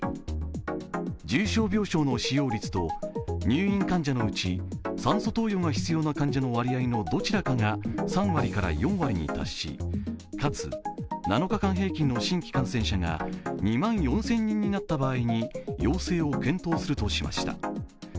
重症病床の使用率と入院患者のうち、酸素投与の必要な患者の割合のどちらかが３割から４割に達し、かつ７日間平均の新規感染者が２万４０００人になった場合に要請を検討するとしました。